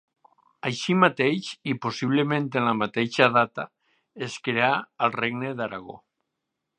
Així mateix, i possiblement en la mateixa data, es creà al Regne d'Aragó.